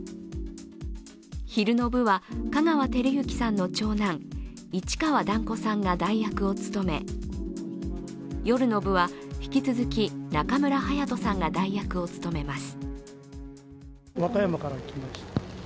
昼の部は、香川照之さんの長男、市川團子さんが代役を務め夜の部は、引き続き、中村隼人さんが代役を務めます。